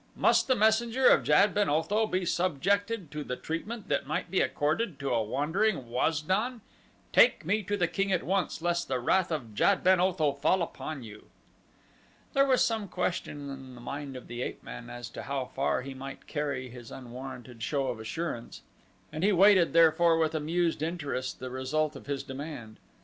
"Must the messenger of Jad ben Otho be subjected to the treatment that might be accorded to a wandering Waz don? Take me to the king at once lest the wrath of Jad ben Otho fall upon you." There was some question in the mind of the ape man as to how far he might carry his unwarranted show of assurance, and he waited therefore with amused interest the result of his demand.